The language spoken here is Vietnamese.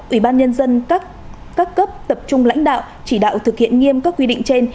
ủy ban nhân dân các cấp tập trung lãnh đạo chỉ đạo thực hiện nghiêm các quy định trên